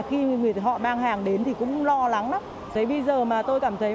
nhưng mà cũng thật sự ra là khi họ mang hàng đến thì cũng lo lắng lắm vì giờ mà tôi cảm thấy